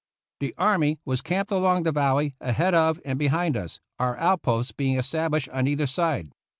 The army was camped along the valley, ahead of and behind us, our outposts being established on either side.